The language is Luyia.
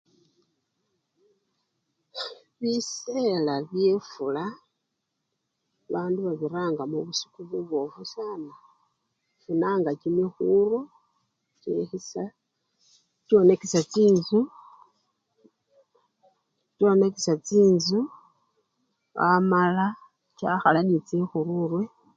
Bisela byefula, bandu babiranga mubusiku bubofu sana, bafunaga kimikhuro, kyekhisha, kyonakisha chinjju, kyonakisha chinjju amala kyakhala ne chikhururwe.